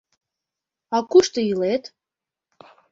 А кушто илет?